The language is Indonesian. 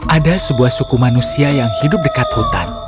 ada sebuah suku manusia yang hidup dekat hutan